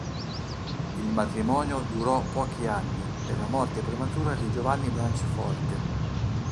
Il matrimonio durò pochi anni per la morte prematura di Giovanni Branciforte.